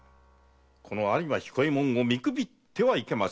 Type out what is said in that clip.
この有馬彦右衛門を見くびってはいけませんぞ。